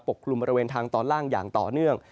กลุ่มบริเวณทางตอนล่างอย่างต่อเนื่อง